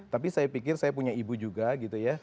tapi saya pikir saya punya ibu juga gitu ya